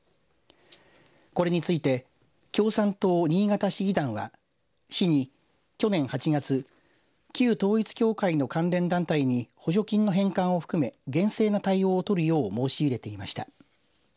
これについて共産党新潟市議団は市に去年８月旧統一教会の関連団体に補助金の返還を含め厳正な対応を取るよう申し入れていました。